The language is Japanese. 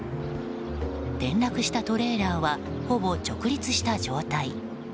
転落したトレーラーはほぼ直立した状態。